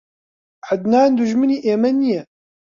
عەدنان دوژمنی ئێمە نییە.